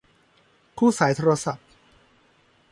คู่สายโทรศัพท์